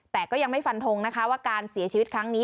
แต่ก็ยังไม่ฟันทงนะคะว่าการเสียชีวิตครั้งนี้